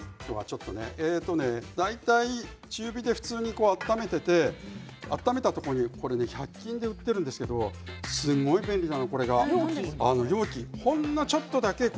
大体、中火で普通に温めていって温めたところにこれ、１００均で売っているんですけれどもすごい便利、この容器。